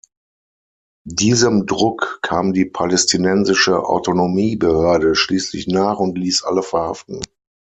Diesem Druck kam die Palästinensische Autonomiebehörde schließlich nach und ließ alle verhaften.